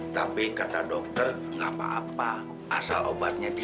jadi boleh dong aku bantu